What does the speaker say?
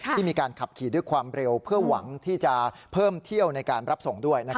ที่มีการขับขี่ด้วยความเร็วเพื่อหวังที่จะเพิ่มเที่ยวในการรับส่งด้วย